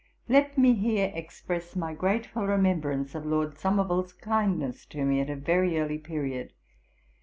Let me here express my grateful remembrance of Lord Somerville's kindness to me, at a very early period.